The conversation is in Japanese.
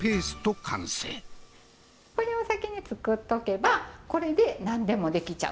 これを先に作っとけばこれで何でも出来ちゃう！